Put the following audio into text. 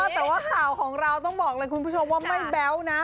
แต่ว่าข่าวของเราต้องบอกเลยคุณผู้ชมว่าไม่แบ๊วนะ